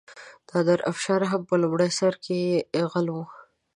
نادرشاه افشار هم په لومړي سر کې غل و.